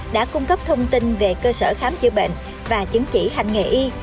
đã cung cấp thông tin về cơ sở khám chữa bệnh và chứng chỉ hành nghề y